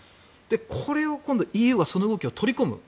これを今度ＥＵはその動きを取り込む。